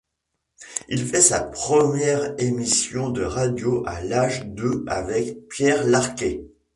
Il fait sa première émission de radio à l'âge de avec Pierre Larquey.